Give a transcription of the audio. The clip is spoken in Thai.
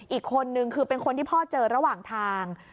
อีกคนนึงคือเป็นคนที่พ่อเจอระหว่างทาง